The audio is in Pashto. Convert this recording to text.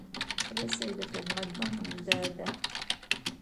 رسۍ د خدمت بنده ده.